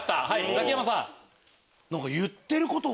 ザキヤマさん。